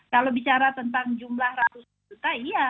kalau bicara tentang jumlah ratusan juta iya